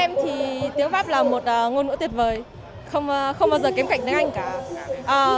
với em thì tiếng pháp là một ngôn ngữ tuyệt vời không bao giờ kém cạnh tiếng anh cả